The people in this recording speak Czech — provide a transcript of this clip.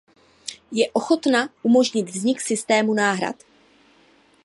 Je ochotna umožnit vznik systému náhrad?